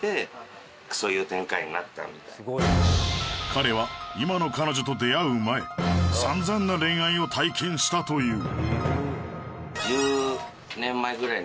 彼は今の彼女と出会う前散々な恋愛を体験したという